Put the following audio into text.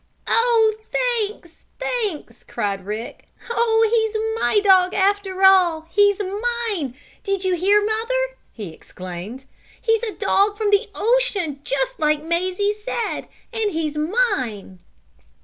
"Oh, thanks! Thanks!" cried Rick. "Oh, he's my dog after all! He's mine! Did you hear, mother!" he exclaimed. "He's a dog from the ocean, just like Mazie said, and he's mine!"